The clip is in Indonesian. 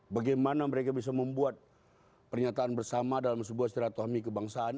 bagaimana mereka bisa membuat pernyataan bersama dalam sebuah silaturahmi kebangsaan